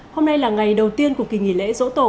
hôm nay là ngày đầu tiên của kỳ nghỉ lễ dỗ tổ